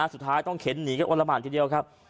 สุดท้ายต้องเข็นหนีกันโอละหมานทีเดียวครับ